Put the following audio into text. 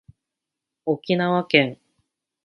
沖縄県